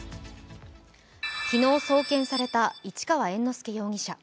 昨日送検された市川猿之助容疑者。